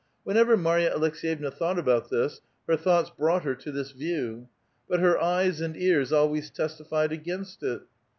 Whenever Marya Alekseyevna thought about this, her thoughts brought her to this view. But her eves and ears always testified aorainst it.